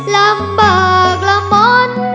ลำบากละมน